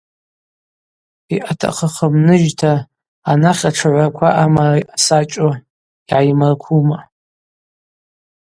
Йъатахъыхым ныжьта анахь, атшыгӏвраква амара йъасачӏуа йгӏаймырквума.